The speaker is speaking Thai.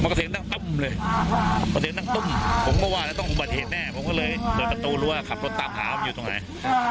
ก็เสียงนั่งตุ๊มอะไรก็เห็นแน่ผมก็เลยละลดตับตัวรุ่าเข้าทางใช้รถน้ำขลางเขาวันอยู่ตรงไหน